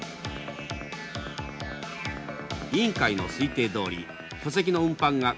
委員会の推定どおり巨石の運搬が下り坂か